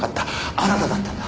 あなただったんだ。